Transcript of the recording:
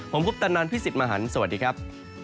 ผมพุทธนันทร์พี่สิทธิ์มหานสวัสดีครับ